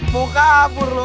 mau kabur lu